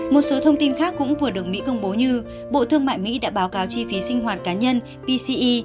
một số thông tin khác cũng vừa được mỹ công bố như bộ thương mại mỹ đã báo cáo chi phí sinh hoạt cá nhân pce